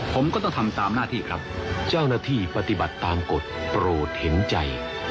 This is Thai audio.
ผมก็ต้องทำตามหน้าที่ครับเจ้าหน้าที่ปฏิบัติตามกฎโปรดเห็นใจ